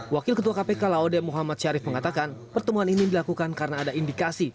wakil ketua kpk laude muhammad syarif mengatakan pertemuan ini dilakukan karena ada indikasi